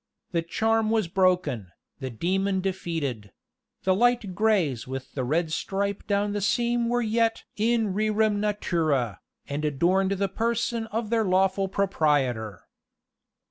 The charm was broken, the demon defeated; the light greys with the red stripe down the seams were yet in rerum naturâ, and adorned the person of their lawful proprietor.